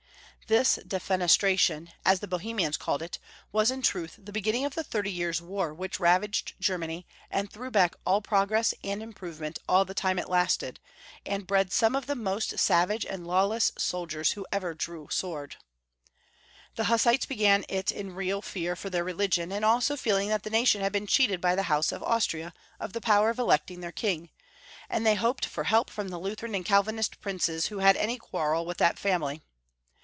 Tliis Defenestration, as the Bohemians called it. 826 Young Folks* History of Germany^ was iu truth the beginning of the Thirty Years* War which ravaged Germany, and threw back all progress and improvement all the time it lasted, and bred some of the most savage and lawless sol diers who ever drew sword. The Hussites began it in real fear for their religion, and also feeling that the nation had been cheated by the House of Austria of the power of electing their king, and they hoped for help from the Lutheran and Cal vinist princes who had any quarrel with that family.